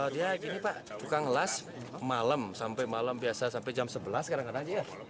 dia gini pak tukang las malam sampai malam biasa sampai jam sebelas kadang kadang dia